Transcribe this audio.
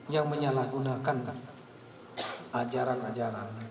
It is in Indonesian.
yang menyalahgunakan ajaran ajaran